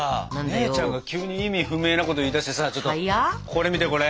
姉ちゃんが急に意味不明なこと言いだしてさちょっとこれ見てこれ。